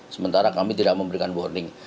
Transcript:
sementara kami tidak memberikan warning